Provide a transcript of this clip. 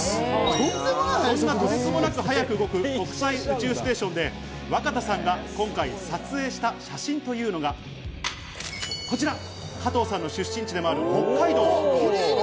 とんでもなく速く動く国際宇宙ステーションで若田さんが今回、撮影した写真というのが、こちら、加藤さんの出身地でもある北海道。